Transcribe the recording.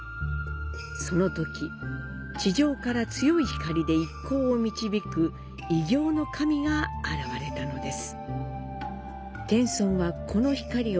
そのとき地上から強い光で一行を導く異形の神が現れたのです。